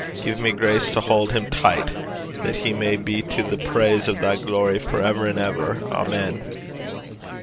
Gie me grace to haud him ticht, that he may be to the praise o' thy glory for ever an' ever. Amen.'